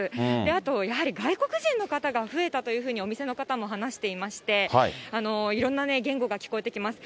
あとやはり外国人の方が増えたというふうに、お店の方も話していまして、いろんな言語が聞こえてきます。